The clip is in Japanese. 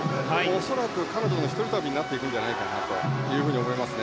恐らく彼女の一人旅になっていくんじゃないかと思います。